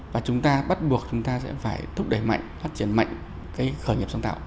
và chúng ta bắt buộc chúng ta sẽ phải thúc đẩy mạnh phát triển mạnh cái khởi nghiệp sáng tạo